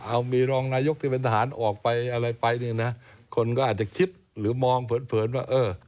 เอามีรองนายกที่เป็นทหารออกไปอะไรไปคนก็อาจจะคิดหรือมองเผินว่า